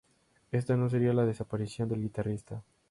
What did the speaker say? Esta no sería la desaparición del guitarrista.